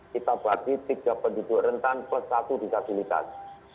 kita bagi tiga penduduk rentan plus satu disabilitas